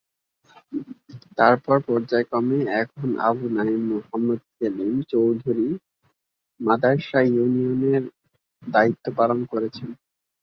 তারপর পর্যায়ক্রমে এখন আবু নঈম মোহাম্মদ সেলিম চৌধুরী মাদার্শা ইউনিয়নের দায়িত্ব পালন করছেন।